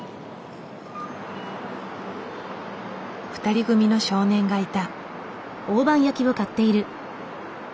２人組の少年がいた。